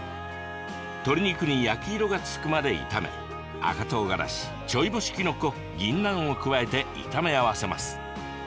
鶏肉に焼き色がつくまで炒め赤とうがらし、ちょい干しきのこぎんなんを加えて炒め合わせます。